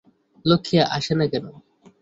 লক্ষ্মী আসে না কেন?